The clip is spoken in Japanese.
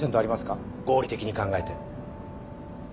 合理的に考えて。